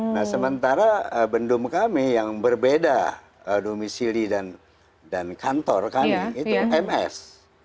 nah sementara bendum kami yang berbeda domisili dan kantor kami itu ms